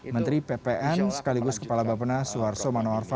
menteri ppn sekaligus kepala bapak pernah suharso manoarfa